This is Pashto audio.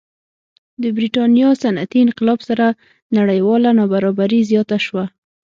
د برېټانیا صنعتي انقلاب سره نړیواله نابرابري زیاته شوه.